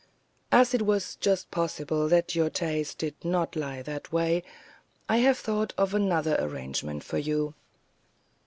"As it was just possible that your taste did not lie that way, I have thought of another arrangement for you.